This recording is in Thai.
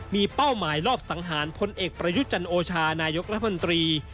มีเป้าหมายรอบสังหารพลเอกประยุทธ์จันโอชานายกรัฐมนตรี